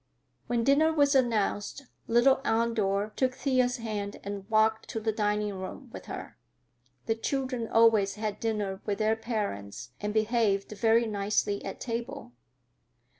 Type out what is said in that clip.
When dinner was announced, little Andor took Thea's hand and walked to the dining room with her. The children always had dinner with their parents and behaved very nicely at table.